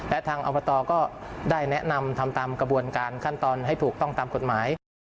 และทางอบตก็ได้แนะนำทำตามกระบวนการขั้นตอนให้ถูกต้องตามกฎหมาย